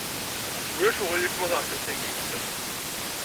Ulac aɣilif ma teṛjiḍ timikt?